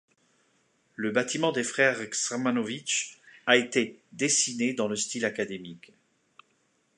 Le bâtiment des frères Krsmanović a été dessiné dans le style académique.